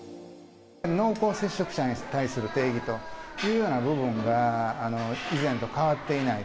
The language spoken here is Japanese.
濃厚接触者に対する定義というような部分が、以前と変わっていない。